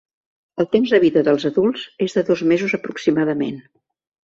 El temps de vida dels adults és de dos mesos aproximadament.